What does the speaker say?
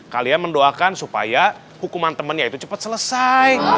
kalian mendoakan supaya hukuman temannya itu cepat selesai